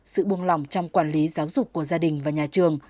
sự buông lỏng trong quản lý giáo dục của gia đình và nhà trường